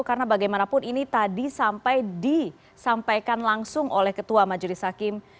karena bagaimanapun ini tadi sampai disampaikan langsung oleh ketua majelis hakim